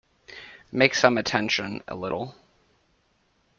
Make some attention a little.